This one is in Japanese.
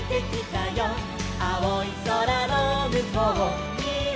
「あおいそらのむこうには」